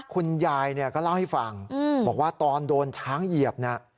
คุณยายก็เล่าให้ฟังบอกว่าตอนโดนช้างเหยียบนะ